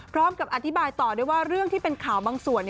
พร้อมกับอธิบายต่อด้วยว่าเรื่องที่เป็นข่าวบางส่วน